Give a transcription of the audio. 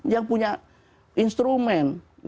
yang punya instrumen